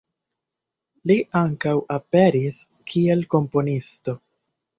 Li ankaŭ aperis kiel komponisto.